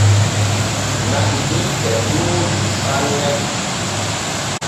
Na’i ɗi e ɗuuɗɗi sanne.